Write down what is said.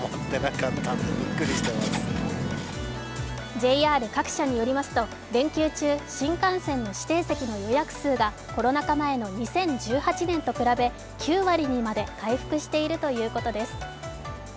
ＪＲ各社によりますと連休中、新幹線の指定席の予約数がコロナ禍前の２０１８年と比べ９割にまで回復しているということです。